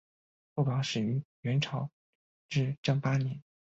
副榜始于元朝至正八年。